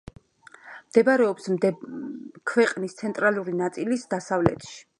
მდებარეობს მდებარეობს ქვეყნის ცენტრალური ნაწილის დასავლეთში.